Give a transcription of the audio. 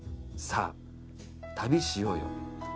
さあ、旅しようよ。